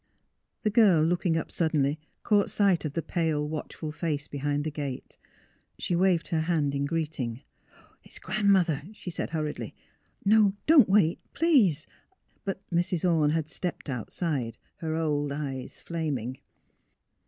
The girl looking up suddenly caught sight of the pale, watchful face behind the gate. She waved her hand in greeting. '' It's Gran 'mother," she said, hurriedly. *' No; don't wait, please. I " But Mrs. Orne had stepped outside; her old eyes flaming.